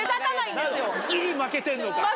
ギリ負けてんのか？